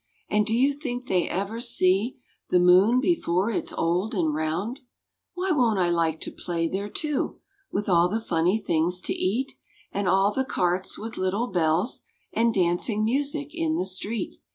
And do you think they ever see The Moon before it's old and round? Why won't I like to play there, too? With all the funny things to eat, And all the carts with little bells, And dancing music in the street?